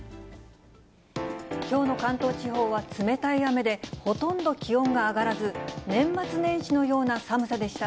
きょうの関東地方は冷たい雨で、ほとんど気温が上がらず、年末年始のような寒さでした。